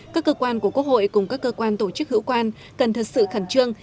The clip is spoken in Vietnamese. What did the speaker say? các cơ quan của quốc hội cùng các cơ quan tổ chức hữu quan cần thật sự khẩn trương